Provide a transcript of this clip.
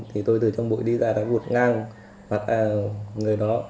thì tôi từ trong bụi đi ra đã vụt ngang mặt người đó